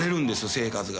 生活が。